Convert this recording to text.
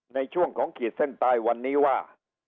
ในช่วงของขีดเส้นใต้วันนี้ว่า